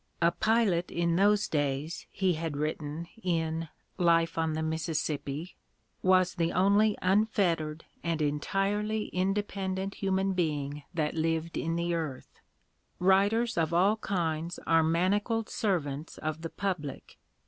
"A pilot in those days," he had written in "Life on the Mississippi," "was the only unfettered and entirely independent human being that lived in the earth. ... Writers of all kinds are manacled servants of the public.